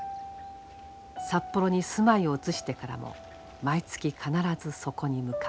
札幌に住まいを移してからも毎月必ずそこに向かう。